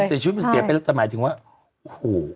เสียชีวิตมันเสียไปแล้วแต่หมายถึงว่าโอ้โห